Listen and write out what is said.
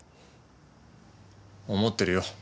思ってるよ。